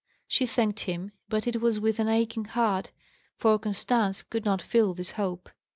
She thanked him, but it was with an aching heart, for Constance could not feel this hope.